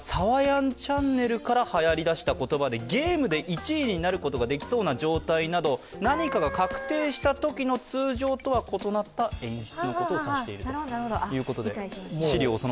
ＹｏｕＴｕｂｅｒからはやり出した言葉で、ゲームで１位になることができそうな状態など何かが確定したときの通常とは異なった演出のことを指しているということです。